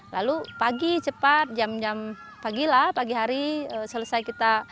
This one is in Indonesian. lalu pagi cepat jam jam pagi lah pagi hari selesai kita